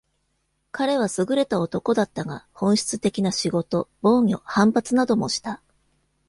彼は優れた男だったが、本質的な仕事、防御、反発などもした。